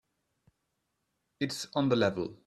It's on the level.